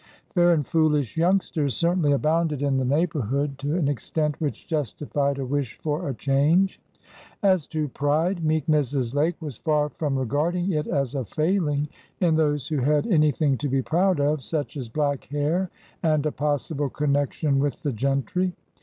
"Fair and foolish" youngsters certainly abounded in the neighborhood to an extent which justified a wish for a change. As to pride, meek Mrs. Lake was far from regarding it as a failing in those who had any thing to be proud of, such as black hair and a possible connection with the gentry.